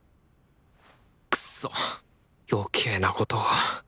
クソ余計なことを。